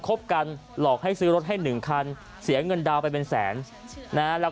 คบกันหลอกให้ซื้อรถให้๑คันเสียเงินดาวนไปเป็นแสนนะแล้ว